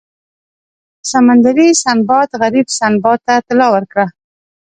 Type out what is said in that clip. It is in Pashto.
سمندري سنباد غریب سنباد ته طلا ورکړه.